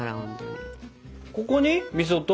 ここにみそと？